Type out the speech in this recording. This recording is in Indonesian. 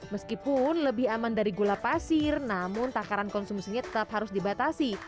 meskipun lebih aman dari gula pasir namun takaran konsumsinya tetap harus dibatasi